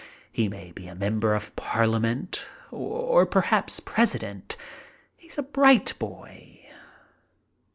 He may be a member of Parliament or perhaps President. He's a bright boy."